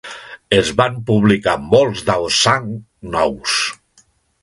Es van publicar molts Daozang nous.